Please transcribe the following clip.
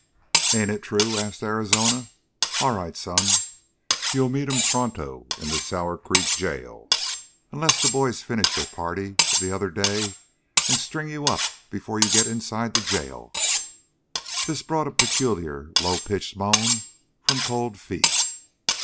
"Ain't it true?" asked Arizona. "All right, son, you'll meet him pronto in the Sour Creek jail, unless the boys finish their party of the other day and string you up before you get inside the jail." This brought a peculiar, low pitched moan from Cold Feet.